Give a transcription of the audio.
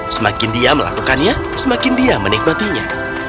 semakin dia melakukannya semakin dia menikmatinya